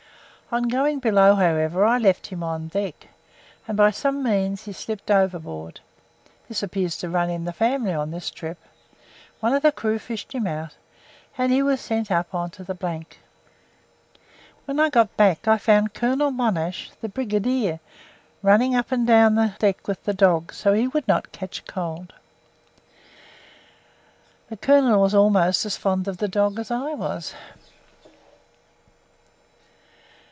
On going below, however, I left him on the deck, and by some means he slipped overboard (this appears to run in the family on this trip); one of the crew fished him out, and he was sent up on to the . When I got back I found Colonel Monash, the Brigadier, running up and down the deck with the dog so that he would not catch cold! The Colonel was almost as fond of the dog as I was.